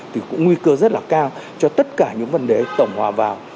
thì cũng nguy cơ rất là cao cho tất cả những vấn đề tổng hòa vào